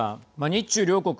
日中両国